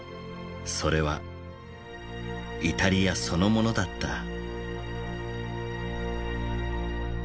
それはイタリアそのものだった。